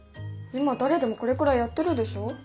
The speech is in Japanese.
今誰でもこれくらいやってるでしょ？